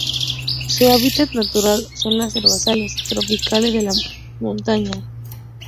Su hábitat natural son los herbazales tropicales de alta montaña.